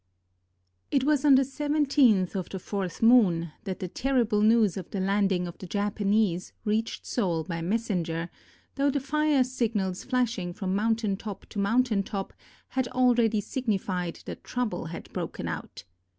It was on the seventeenth of the fourth moon that the terrible news of the landing of the Japanese reached Seoul by messenger, though the fire signals flashing from mountain top to mountain top had already sig nified that trouble had broken out.